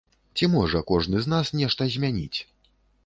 Ці можа кожны з нас нешта змяніць?